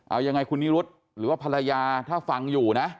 เอายังไงคุณนิรุธหรือว่าภรรยาถ้าฟังอยู่นะ